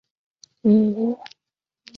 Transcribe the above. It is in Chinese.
湄拉为女王和水行侠的爱人。